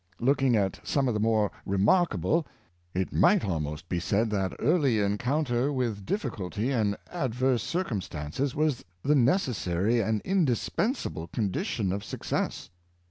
Looking at some of the more remarkable, it might almost be said that early encounter with difficulty and adverse circumstances was the necessary and indispensable condition of suc cess.